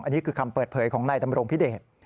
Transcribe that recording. อันนี้คือคำเปิดเผยของนายดำรงพิเดช